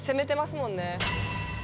もんね